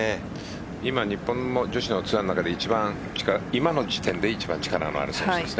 今、日本の女子のツアーの中で今の時点で一番力のある選手ですね。